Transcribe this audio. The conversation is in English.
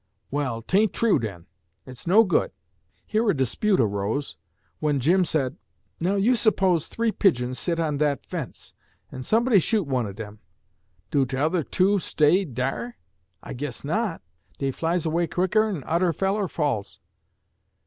"Well, 'tain't true, den. It's no good!" Here a dispute arose, when Jim said, "Now, you 'spose three pigeons sit on that fence, and somebody shoot one of dem; do t'other two stay dar? I guess not! dey flies away quickern odder feller falls."